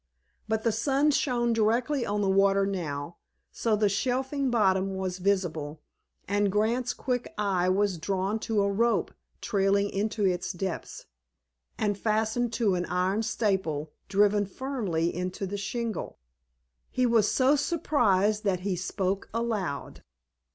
But the sun shone directly on the water now, so the shelving bottom was visible, and Grant's quick eye was drawn to a rope trailing into the depths, and fastened to an iron staple driven firmly into the shingle. He was so surprised that he spoke aloud.